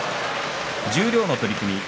十両の取組です。